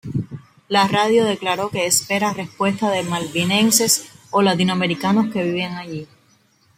La radio declaró que espera respuestas de malvinenses o latinoamericanos que viven allí.